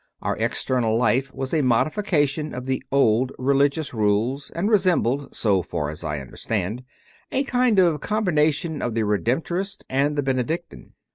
Our external life was a modification of the old Religious Rules and resembled, so far as I understand, a kind of com bination of the Redemptorist and the Benedictine.